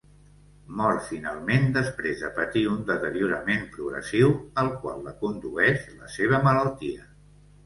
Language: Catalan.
Mor finalment després de patir un deteriorament progressiu al qual la condueix la seva malaltia.